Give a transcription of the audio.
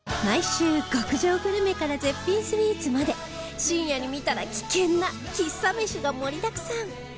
毎週極上グルメから絶品スイーツまで深夜に見たら危険な喫茶メシが盛りだくさん！